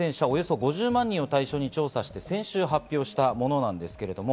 およそ５０万人を対象に調査して、先週、発表したものです。